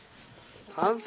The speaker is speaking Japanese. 完成！